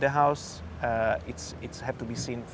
tapi harus dilihat dari jalanan